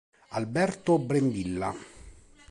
Alberto Brembilla